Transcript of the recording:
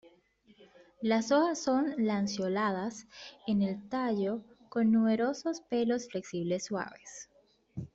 Las hojas son lanceoladas, en el tallo, con numerosos pelos flexibles suaves.